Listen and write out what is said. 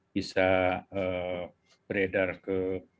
bisa beredar ke